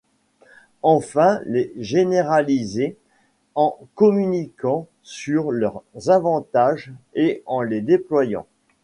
Enfin les généraliser en communiquant sur leurs avantages et en les déployant.